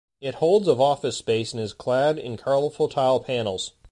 It holds of office space and is clad in colorful tile panels.